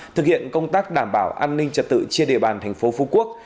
thực hiện công tác đảm bảo an ninh trật tự trên địa bàn thành phố phú quốc